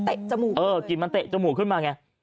จมูกเออกลิ่นมันเตะจมูกขึ้นมาไง